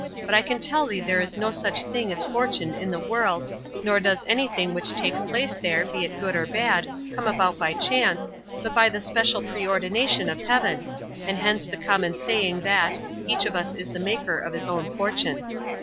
But I can tell thee there is no such thing as Fortune in the world, nor does anything which takes place there, be it good or bad, come about by chance, but by the special preordination of heaven; and hence the common saying that 'each of us is the maker of his own Fortune.